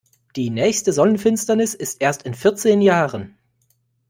Die nächste Sonnenfinsternis ist erst in vierzehn Jahren.